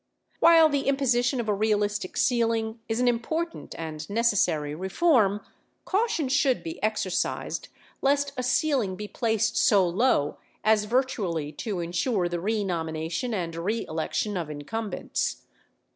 While the imposition of a realistic ceiling is an important and nec essary reform, caution should be exercised lest a ceiling be placed so low as virtually to insure the renomination and reelection of incum bents.